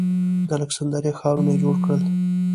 د الکسندریه ښارونه یې جوړ کړل